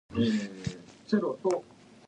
She had specialised in Celtic Philology.